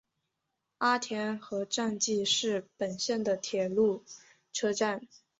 阿田和站纪势本线的铁路车站。